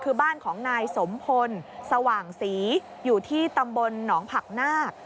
คือบ้านของนายสมพลสว่างศรีอยู่ที่ตำบลหนองผักนาค